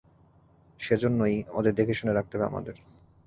সেজন্যই ওদের দেখেশুনে রাখতে হবে আমাদের।